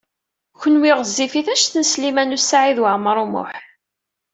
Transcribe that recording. Kenwi ɣezzifit anect n Sliman U Saɛid Waɛmaṛ U Muḥ.